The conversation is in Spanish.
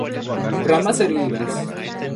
Ramas erguidas.